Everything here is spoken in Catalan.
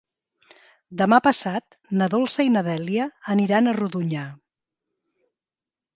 Demà passat na Dolça i na Dèlia aniran a Rodonyà.